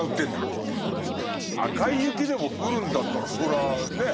赤い雪でも降るんだったらそらぁねえ？